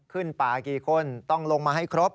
ขึ้นป่ากี่คนต้องลงมาให้ครบ